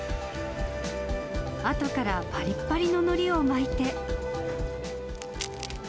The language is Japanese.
あとからぱりっぱりののりを巻いて。